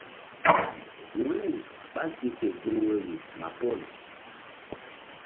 Wu̧yri ɓá gi ke gun woyri ma pol.